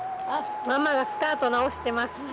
ママがスカート直してます。